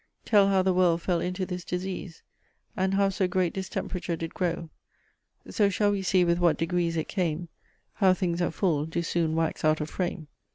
Tell how the world fell into this disease; And how so great distemperature did grow; So shall we see with what degrees it came; How things at full do soon wax out of frame."